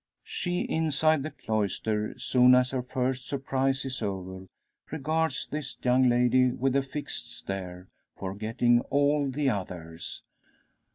She inside the cloister, soon as her first surprise is over, regards this young lady with a fixed stare, forgetting all the others.